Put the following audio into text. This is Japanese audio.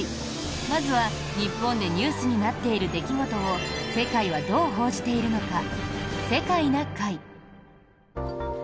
まずは、日本でニュースになっている出来事を世界はどう報じているのか「世界な会」。